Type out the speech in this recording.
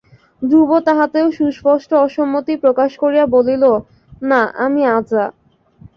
ধ্রুব তাহাতেও সুস্পষ্ট অসম্মতি প্রকাশ করিয়া বলিল, না, আমি আজা।